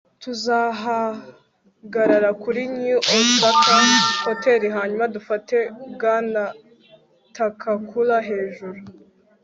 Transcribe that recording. tuzahagarara kuri new osaka hotel hanyuma dufate bwana takakura hejuru